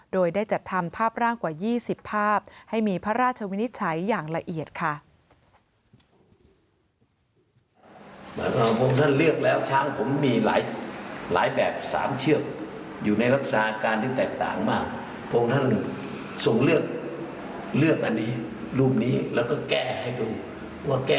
โดยได้จัดทำภาพร่างกว่า๒๐ภาพให้มีพระราชวินิจฉัยอย่างละเอียดค่ะ